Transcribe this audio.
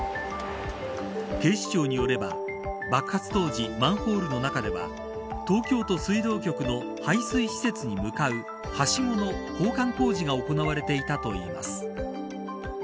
警視庁によれば爆発当時、マンホールの中では東京都水道局の配水施設に向かうはしごの交換工事が行われていたといいます。